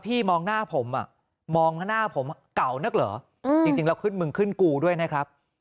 มองหน้าผมอ่ะมองข้างหน้าผมเก่านักเหรอจริงแล้วขึ้นมึงขึ้นกูด้วยนะครับ